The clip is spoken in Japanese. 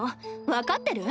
分かってる⁉